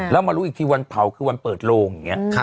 แล้วมารู้อีกทีวันเผาคือวันเปิดโลงอย่างนี้